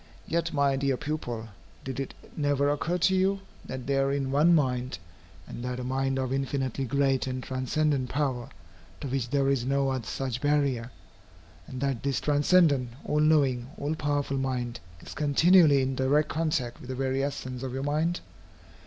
Yet, my dear pupil, did it never occur to you, that there is One Mind, and that a mind of infinitely great and transcendent power, to which there is no such barrier, and that this transcendent, all knowing, all powerful mind, is continually in direct contact with the very essence of your mind?